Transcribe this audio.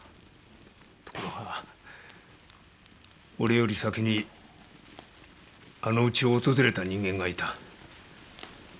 ところが俺より先にあのウチを訪れた人間がいた。